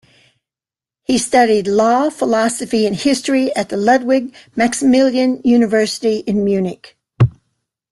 He studied law, philosophy and history at the Ludwig-Maximilian University in Munich.